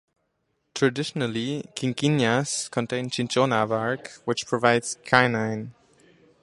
Traditionally quinquinas contain cinchona bark, which provides quinine.